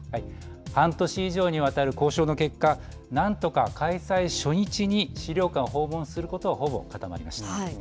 半年以上にわたる交渉の結果何とか開催初日に資料館訪問することはほぼ固まりました。